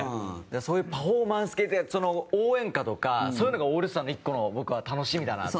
そういうパフォーマンス系で応援歌とかそういうのがオールスターの１個の、僕は楽しみだなと。